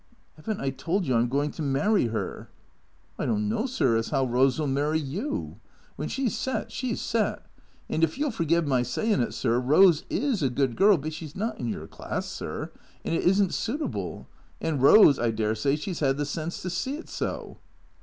"Haven't I told you I'm going to marry her?" 44 THECEEATORS " I don't know, sir, as 'ow Rose '11 marry you. "WHien she 's set, she 's set. And if you '11 forgive my saying it, sir. Rose is a good girl, but she 's not in your class, sir, and it is n't suitable. And Rose, I dessay, she 's 'ad the sense to see it so."